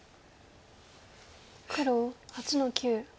黒８の九。